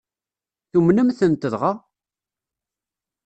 Tumnem-tent dɣa?